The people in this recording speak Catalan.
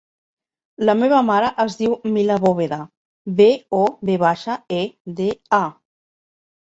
La meva mare es diu Mila Boveda: be, o, ve baixa, e, de, a.